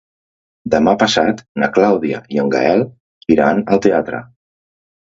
Demà passat na Clàudia i en Gaël iran al teatre.